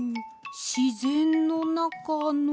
しぜんのなかの。